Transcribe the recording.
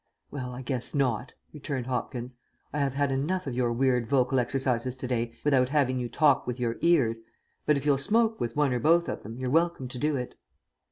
"Well, I guess not," returned Hopkins. "I have had enough of your weird vocal exercises to day without having you talk with your ears, but if you'll smoke with one or both of them, you're welcome to do it."